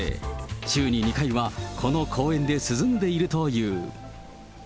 週に２回はこの公園で涼んでいるという。